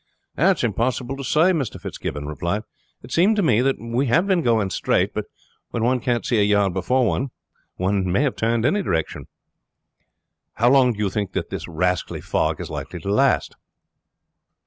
"It's impossible to say," Mr. Fitzgibbon replied. "It seems to me that we have been going straight, but when one can't see a yard before one one may have turned any direction." "How long do you think that this rascally fog is likely to last?"